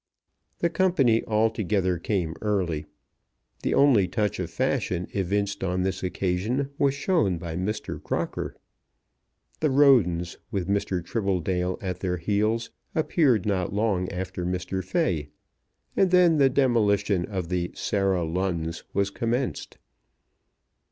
The company altogether came early. The only touch of fashion evinced on this occasion was shown by Mr. Crocker. The Rodens, with Mr. Tribbledale at their heels, appeared not long after Mr. Fay, and then the demolition of the Sally Lunns was commenced.